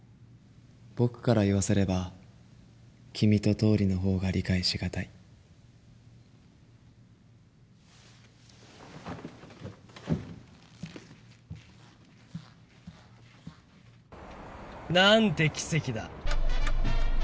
僕から言わせれば君と倒理のほうが理解しがたい。なんて奇跡だ！